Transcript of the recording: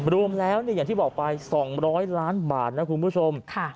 รวมแล้วอย่างที่บอกไป๒๐๐ล้านบาทนะคุณผู้ชม